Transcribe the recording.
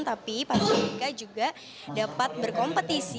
tapi komika juga dapat berkompetisi